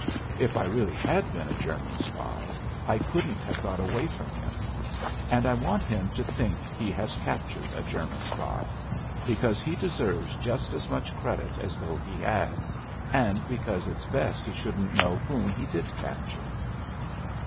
If I really had been a German spy, I couldn't have got away from him. And I want him to think he has captured a German spy. Because he deserves just as much credit as though he had, and because it's best he shouldn't know whom he did capture."